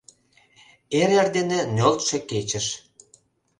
Эр-эрдене нöлтшö кечыш